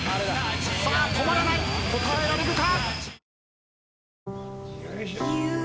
さあ止まらない答えられるか？